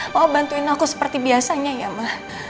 mau bantuin aku seperti biasanya ya ma